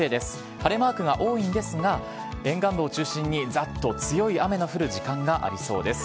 晴れマークが多いんですが、沿岸部を中心にざっと強い雨の降る時間がありそうです。